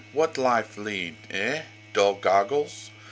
What life lead? eh, dull goggles?